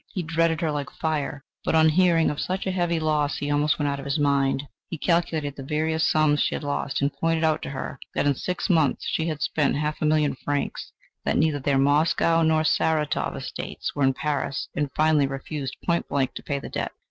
He dreaded her like fire; but, on hearing of such a heavy loss, he almost went out of his mind; he calculated the various sums she had lost, and pointed out to her that in six months she had spent half a million francs, that neither their Moscow nor Saratov estates were in Paris, and finally refused point blank to pay the debt.